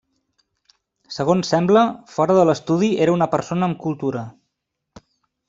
Segons sembla, fora de l'estudi era una persona amb cultura.